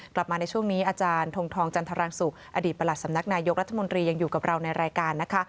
กลับมาในช่วงนี้อาจารย์ทงทองจันทรังสุขอดีตประหลัดสำนักนายกรัฐมนตรียังอยู่กับเราในรายการนะคะ